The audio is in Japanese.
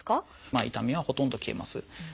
痛みはほとんど消えます。